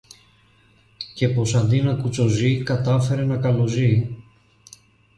και πως αντί να κουτσοζεί, κατάφερε να καλοζεί.